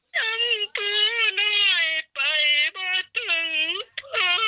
ชั้นผู้น้อยไปมาถึงพ่อ